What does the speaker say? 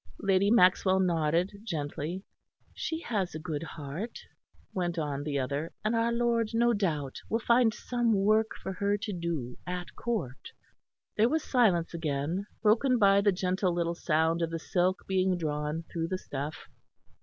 Lady Maxwell nodded gently. "She has a good heart," went on the other, "and our Lord no doubt will find some work for her to do at Court." There was silence again; broken by the gentle little sound of the silk being drawn through the stuff.